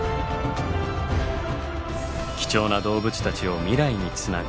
貴重な動物たちを未来につなぐ。